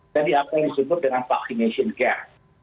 jadi apa yang disebut dengan vaccination gap